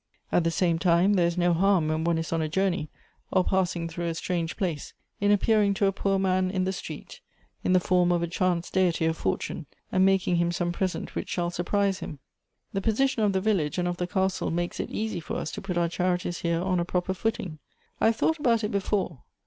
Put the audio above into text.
At the same time there is no harm when one is on a journey, or passing through a strange place, in' appearing to a poor man in the street in the form of a chance deity of fortune, and making him some present which shall surprise him. The position of the village and of the castle makes it easy for us to put our charities here on a proper footing. I have thought about it before.